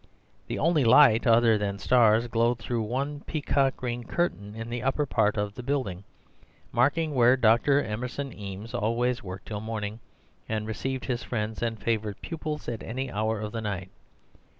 The only light other than stars glowed through one peacock green curtain in the upper part of the building, marking where Dr. Emerson Eames always worked till morning and received his friends and favourite pupils at any hour of the night.